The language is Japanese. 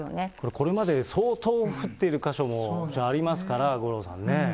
これまで、相当降っている箇所もありますから、五郎さんね。